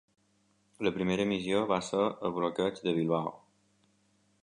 La primera missió va ser el bloqueig de Bilbao.